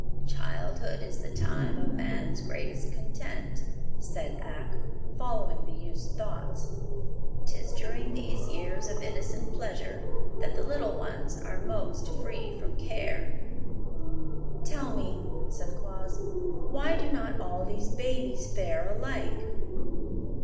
"Childhood is the time of man's greatest content," said Ak, following the youth's thoughts. "'Tis during these years of innocent pleasure that the little ones are most free from care." "Tell me," said Claus, "why do not all these babies fare alike?"